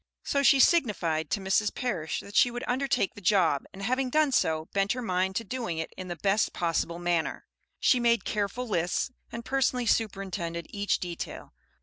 So she signified to Mrs. Parish that she would undertake the job, and having done so, bent her mind to doing it in the best possible manner. She made careful lists, and personally superintended each detail.